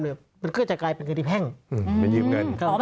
มันก็จะเป็นเงินพงษ์